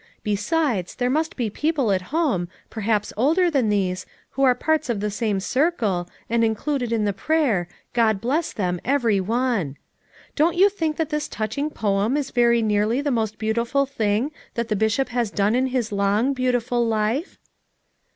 Besides, there must he people at home, perhaps older than these, who are parts of the same circle, and included in the prayer: 'God bless them, every one/ Don't you think that this touching poem is very nearly the most beautiful thing that the Bishop has done in his long, beautiful life?"